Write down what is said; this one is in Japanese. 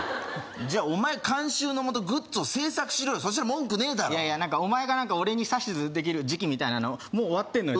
じゃあお前監修のもとグッズを製作しろよそしたら文句ねえだろいやいやなんかお前がなんか俺に指図できる時期みたいなのもう終わってんのよ